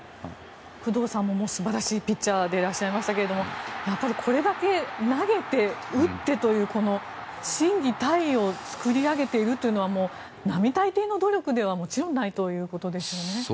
工藤さんも素晴らしいピッチャーであられましたけどこれだけ投げて打ってという心技体を作り上げているというのは並大抵の努力ではもちろんないということですね。